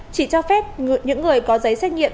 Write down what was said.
chỉ cho phép những người có giấy xét nghiệm